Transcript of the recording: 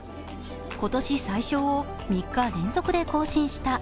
今年最少を３日連続で更新した。